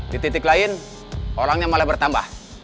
di titik lain orangnya malah bertambah